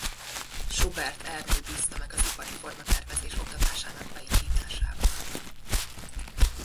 Schubert Ernő bízta meg az ipari formatervezés oktatásának beindításával.